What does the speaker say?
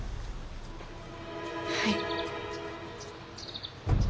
はい。